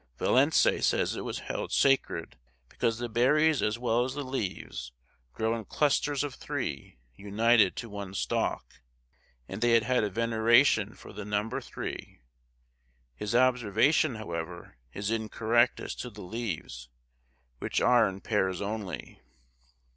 Vallancey says it was held sacred because the berries as well as the leaves grow in clusters of three united to one stalk, and they had a veneration for the number three; his observation, however, is incorrect as to the leaves, which are in pairs only.